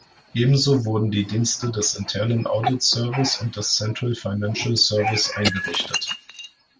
Ebenso wurden die Dienste des internen Audit Service und des Central Financial Service eingerichtet.